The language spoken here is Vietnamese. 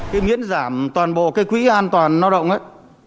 cái miễn giảm toàn bộ cái quỹ an toàn lao động ấy